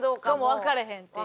わからへんっていう。